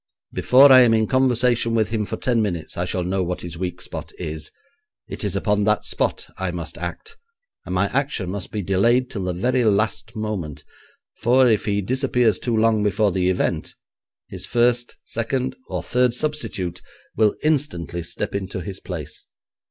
Before I am in conversation with him for ten minutes, I shall know what his weak spot is. It is upon that spot I must act, and my action must be delayed till the very last moment; for, if he disappears too long before the event, his first, second, or third substitute will instantly step into his place.'